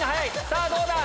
さぁどうだ？